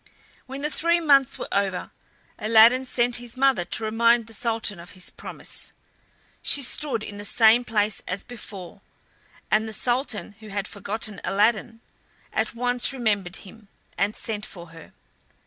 When the three months were over, Aladdin sent his mother to remind the Sultan of his promise. She stood in the same place as before, and the Sultan, who had forgotten Aladdin, at once remembered him, and sent for her.